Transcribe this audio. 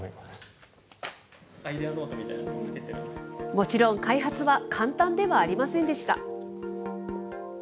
もちろん、開発は簡単ではありませんでした。